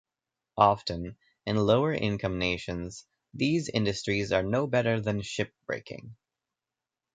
Often, in lower income nations, these industries are no better than ship breaking.